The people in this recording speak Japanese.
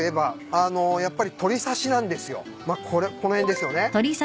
これこの辺ですよね。